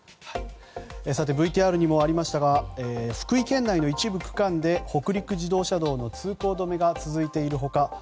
ＶＴＲにもありましたが福井県内の一部区間で北陸自動車道の通行止めが続いている他